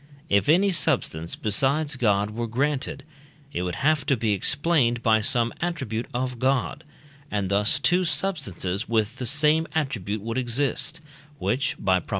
if any substance besides God were granted, it would have to be explained by some attribute of God, and thus two substances with the same attribute would exist, which (by Prop.